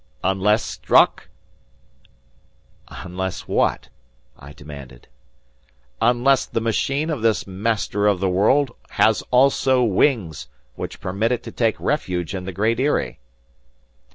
"Unless, Strock—" "Unless what?" I demanded. "Unless the machine of this Master of the World has also wings, which permit it to take refuge in the Great Eyrie."